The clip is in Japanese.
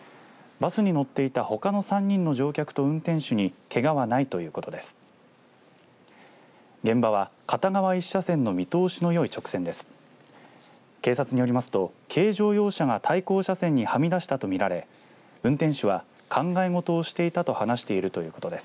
バスに乗っていたほかの３人の乗客と運転手にけがはないということです。